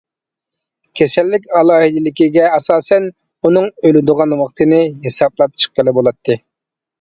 كېسەللىك ئالاھىدىلىكىگە ئاساسەن ئۇنىڭ ئۆلىدىغان ۋاقتىنى ھېسابلاپ چىققىلى بولاتتى.